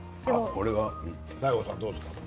ＤＡＩＧＯさんどうですか。